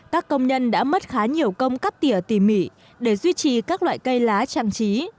các công nhân đã mất khá nhiều công cắt tỉa tỉ mỉ để duy trì các loại cây lá trang trí